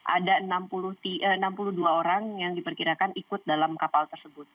ada enam puluh dua orang yang diperkirakan ikut dalam kapal tersebut